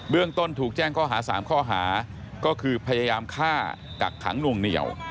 ต้นถูกแจ้งข้อหา๓ข้อหาก็คือพยายามฆ่ากักขังนวงเหนียว